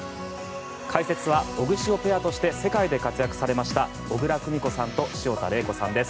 解説はオグシオペアとして世界で活躍されました小椋久美子さんと潮田玲子さんです。